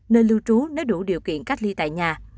nơi lưu trú nếu đủ điều kiện cách ly tại nhà